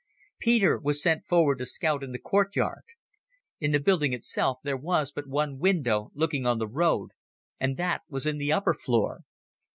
Peter was sent forward to scout in the courtyard. In the building itself there was but one window looking on the road, and that was in the upper floor.